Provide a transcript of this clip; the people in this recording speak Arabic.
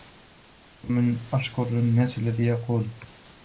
وَمِنْ أَشْكَرِ النَّاسِ الَّذِي يَقُولُ